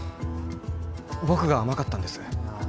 僕が甘かったんですいや